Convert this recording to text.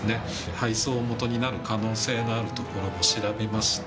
配送元になる可能性のある所を調べまして。